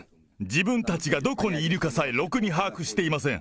自分たちがどこにいるかさえ、ろくに把握していません。